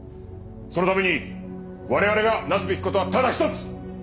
そのために我々がなすべき事はただ一つ。